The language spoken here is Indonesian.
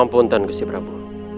maaf tuan gusti prabu